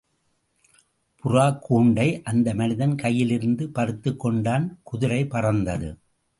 புறாக்கூண்டை அந்த மனிதன் கையிலிருந்து பறித்துக் கொண்டான், குதிரை பறந்தது.